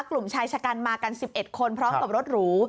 กลุ่มชายชะกันมากัน๑๑คนพร้อมกับรถหรู